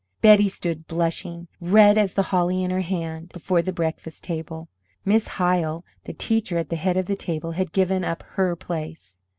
Betty stood, blushing, red as the holly in her hand, before the breakfast table. Miss Hyle, the teacher at the head of the table, had given up her place.